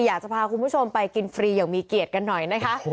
อยากจะพาคุณผู้ชมไปกินฟรีอย่างมีเกียรติกันหน่อยนะคะ